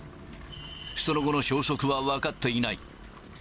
その後の消息は分かっていない。